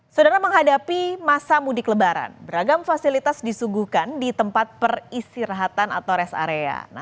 saudara menghadapi masa mudik lebaran beragam fasilitas disuguhkan di tempat peristirahatan atau rest area